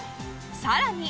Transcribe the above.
さらに